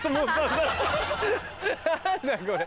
何だこれ。